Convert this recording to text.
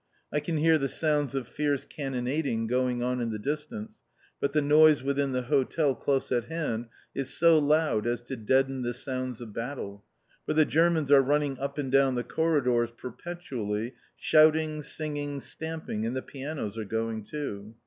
I can hear the sounds of fierce cannonading going on in the distance, but the noise within the hotel close at hand is so loud as to deaden the sounds of battle; for the Germans are running up and down the corridors perpetually, shouting, singing, stamping, and the pianos are going, too.